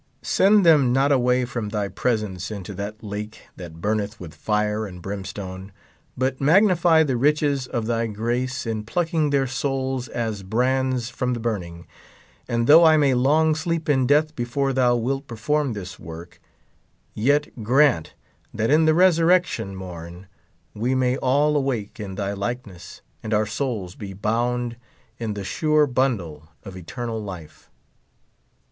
Send them not away from thy presence into that lake that burneth with fire and brimstone ; but magnify the riches of thy grace in plucking their souls as brands from the burning ; and though I may long sleep in death be fore thou wilt perform this work, yet grant that in the resurrection morn we may all awake in thy likeness and our souls be bound in the sure bundle of eternal life.